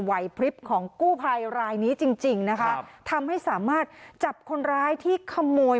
พริบของกู้ภัยรายนี้จริงจริงนะคะทำให้สามารถจับคนร้ายที่ขโมย